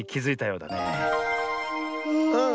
うん。